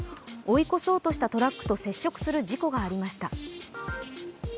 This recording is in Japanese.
追い越そうとしたトラックと接触する事故がありました。